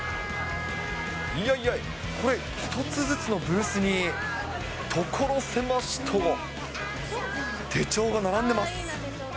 いやいや、これ、１つずつのブースに、所狭しと手帳が並んでます。